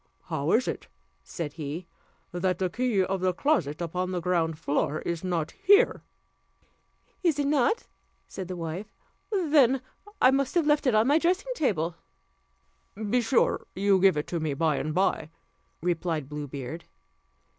"How is it," said he, "that the key of the closet upon the ground floor is not here?" "Is it not?" said the wife, "then I must have left it on my dressing table." "Be sure you give it me by and by," replied Blue Beard.